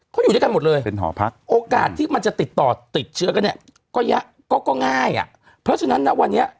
เขาอยู่ด้วยกันหมดเลยเป็นหอพักโอกาสที่มันจะติดต่อติดเชื้อกันเนี่ยก็ก็ง่ายอ่ะเพราะฉะนั้นนะวันนี้